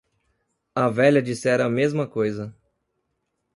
A velha dissera a mesma coisa.